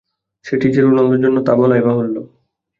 সেটি যে রোনালদোর জন্য, তা বলাই বাহুল্য।